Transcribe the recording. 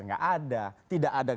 tidak ada tidak ada